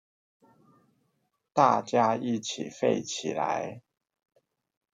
大家一起廢起來